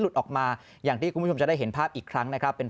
หลุดออกมาอย่างที่คุณจะได้เห็นภาพอีกครั้งนะครับเป็น